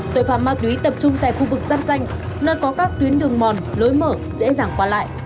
tội phạm ma túy tập trung tại khu vực giáp danh nơi có các tuyến đường mòn lối mở dễ dàng qua lại